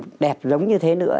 mình lại làm đẹp giống như thế nữa